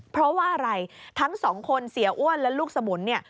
เพราะว่าอะไรทั้งสองคนเสียอ้วนและลูกสมุนเนี่ย